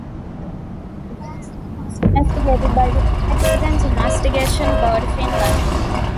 The accident was investigated by the Accident Investigation Board Finland.